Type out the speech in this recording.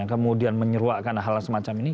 kemudian menyeruakan hal semacam ini